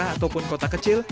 dari daerah ataupun kota kecil